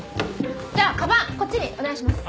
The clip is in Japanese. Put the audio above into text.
じゃあかばんこっちにお願いします。